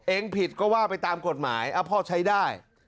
เองผิดก็ว่าไปตามกฎหมายพ่อใช้ได้